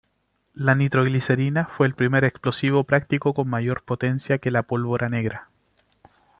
La nitroglicerina fue el primer explosivo práctico con mayor potencia que la pólvora negra.